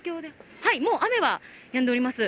はい、もう雨はやんでおります。